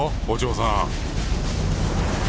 お嬢さん！